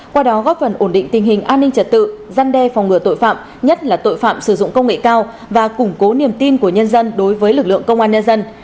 qua đó góp phần ổn định tình hình an ninh trật tự răn đe phòng ngừa tội phạm nhất là tội phạm sử dụng công nghệ cao và củng cố niềm tin của nhân dân đối với lực lượng công an nhân dân